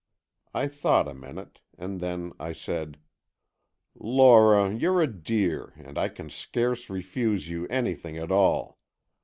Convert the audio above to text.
I thought a minute and then I said: "Lora, you're a dear, and I can scarce refuse you anything at all.